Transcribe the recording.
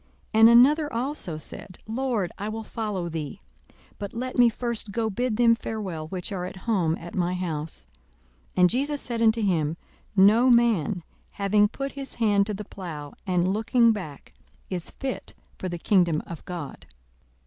42:009:061 And another also said, Lord, I will follow thee; but let me first go bid them farewell, which are at home at my house. 42:009:062 And Jesus said unto him, No man, having put his hand to the plough, and looking back, is fit for the kingdom of God.